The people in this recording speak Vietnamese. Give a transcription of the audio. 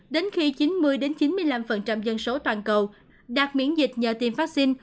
đến khi chín mươi chín mươi năm dân số toàn cầu đạt miễn dịch nhờ tiêm vaccine